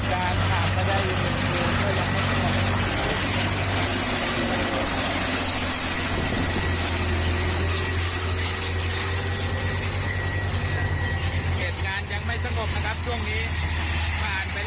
ผ่านไปแล้ว๒วันเหตุการณ์ก็ยังไม่สงบ